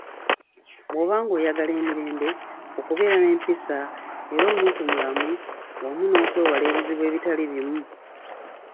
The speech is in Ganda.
Bwoba ng'oyagala emirembe, okubeera nempisa, era omuntu mulamu wamu n'okwewala ebizibu ebitali bimu